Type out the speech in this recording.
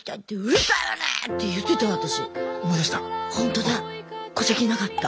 ほんとだ戸籍なかった。